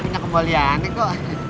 punya kemuliannya kok